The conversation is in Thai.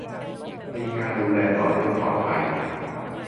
- มีการดูแลต่อเนื่องปลอดภัย